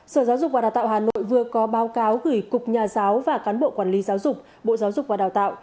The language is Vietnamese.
sở giáo dục và đào tạo hà nội vừa có báo cáo gửi cục nhà giáo và cán bộ quản lý giáo dục bộ giáo dục và đào tạo